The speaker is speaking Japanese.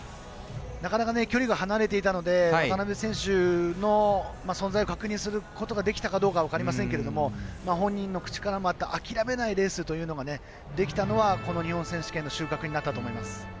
なかなか距離が離れていたので渡邊選手の存在を確認することができたかどうか分かりませんけれども本人の口からあった諦めないレースというのができたのは日本選手権の収穫になったと思います。